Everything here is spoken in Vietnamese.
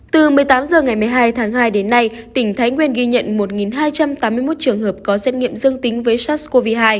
từ một mươi tám h ngày một mươi hai tháng hai đến nay tỉnh thái nguyên ghi nhận một hai trăm tám mươi một trường hợp có xét nghiệm dương tính với sars cov hai